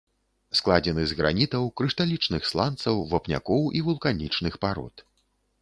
Складзены з гранітаў, крышталічных сланцаў, вапнякоў і вулканічных парод.